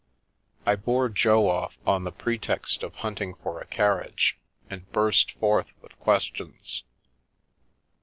I bore Jo off on the pretext of hunting for a carriage, and burst forth with questions.